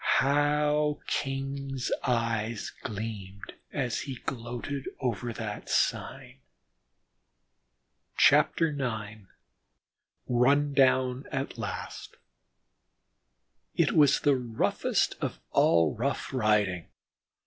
How King's eye gleamed as he gloated over the sign! IX RUN DOWN AT LAST It was the roughest of all rough riding.